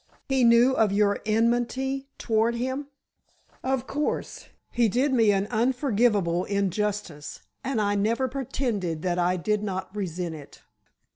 "He knew of your enmity toward him?" "Of course. He did me an unforgivable injustice and I never pretended that I did not resent it."